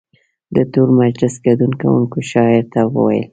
د ټول مجلس ګډون کوونکو شاعر ته وویل.